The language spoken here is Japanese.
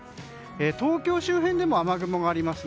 東京周辺でも雨雲があります。